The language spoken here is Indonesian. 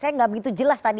saya nggak begitu jelas tadi